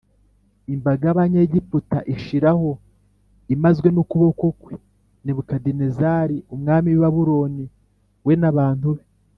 Imbaga y abanyegiputa ishiraho imazwe n ukuboko kwa nebukadinezari umwami w i babuloni we n abantu be